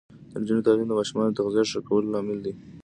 د نجونو تعلیم د ماشومانو تغذیه ښه کولو لامل دی.